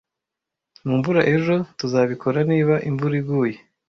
Mu mvura ejo, tuzabikora, niba imvura iguye?